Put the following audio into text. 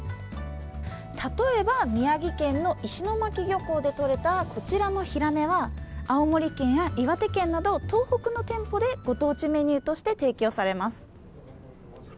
例えば宮城県の石巻漁港でとれたこちらのヒラメは青森県や岩手県など東北の店舗でご当地メニューとして提供されます。